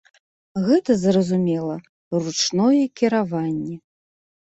Гэта зразумела, ручное кіраванне.